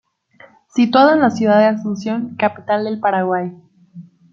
Situado en la ciudad de Asunción, capital del Paraguay.